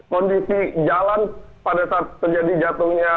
kondisi jalan pada saat terjadi jatuhnya